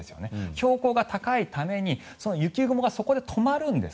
標高が高いためにその雪雲がそこで止まるんです。